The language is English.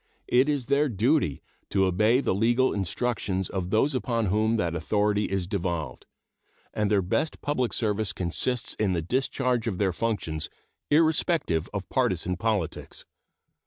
It is their duty to obey the legal instructions of those upon whom that authority is devolved, and their best public service consists in the discharge of their functions irrespective of partisan politics.